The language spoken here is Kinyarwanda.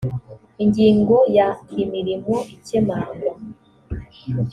ingingo ya imirimo ikemangwa